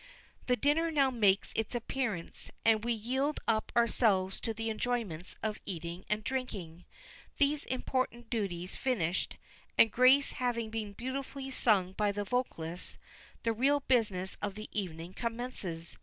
The dinner now makes its appearance, and we yield up ourselves to the enjoyments of eating and drinking. These important duties finished, and grace having been beautifully sung by the vocalists, the real business of the evening commences.